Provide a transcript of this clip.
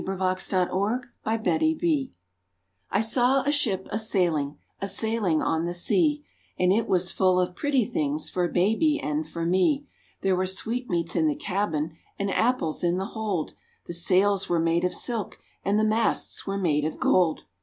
I SAW A SHIP A SAILING I saw a ship a sailing, A sailing on the sea; And it was full of pretty things For baby and for me. There were sweetmeats in the cabin, And apples in the hold; The sails were made of silk, And the masts were made of gold.